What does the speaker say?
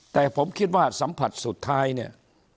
แต่ผมคิดว่าสัมผัสสุดท้ายเนี่ย